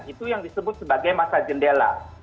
itu yang disebut sebagai masa jendela